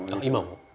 今も？